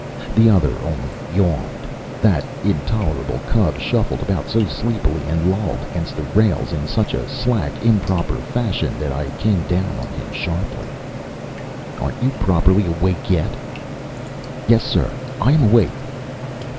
The other only yawned. That intolerable cub shuffled about so sleepily and lolled against the rails in such a slack, improper fashion that I came down on him sharply. "Aren't you properly awake yet?" "Yes, sir! I am awake."